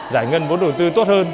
giải ngân vốn đầu tư tốt hơn